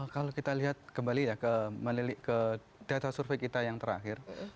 kalau kita lihat kembali ya melilik ke data survei kita yang terakhir